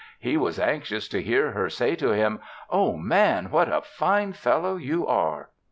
He was anxious to hear her say to him, "Oh, Man, what a fine fellow you are!"